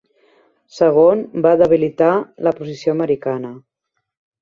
Segon, va debilitar la posició americana.